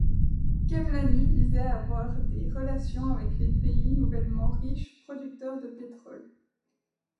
Khemlani disait avoir des relations avec les pays nouvellement riches producteurs de pétrole.